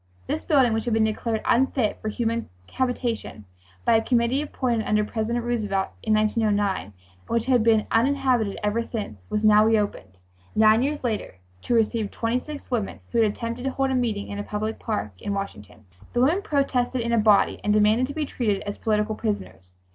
This building, which had been declared unfit for human habitation by a committee appointed under President Roosevelt in 1909, and which had been uninhabited ever since, was now reopened, nine years later, to receive twenty six women who had attempted to hold a meeting in a public park in Washington. The women protested in a body and demanded to be treated as political prisoners.